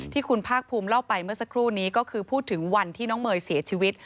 ที่คุณภาคภูมิเล่าไปเมื่อสักครู่นี้ก็คือพูดถึงวันที่น้องเมย์เสียชีวิต